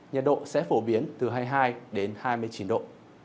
nhiệt độ sẽ phổ biến từ hai mươi hai đến hai mươi chín độ